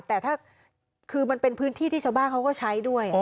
แต่ถ้าคือมันเป็นพื้นที่ที่ชาวบ้านเขาก็ใช้ด้วย